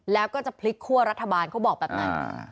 แล้วก็จะพลิกคั่วรัฐบาลเขาบอกแบบนั้น